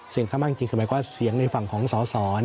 ข้างมากจริงคือหมายความว่าเสียงในฝั่งของสอสอ